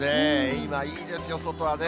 今いいですよ、外はね。